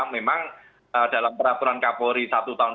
memang dalam peraturan kapolri sabtu tahun dua ribu dua puluh dua